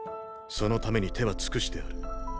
そのために手は尽くしてある。